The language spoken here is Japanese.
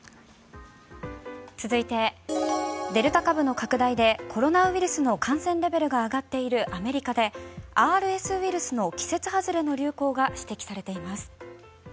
続いて、デルタ株の拡大でコロナウイルスの感染レベルが上がっているアメリカでＲＳウイルスの季節外れの流行が指摘されています。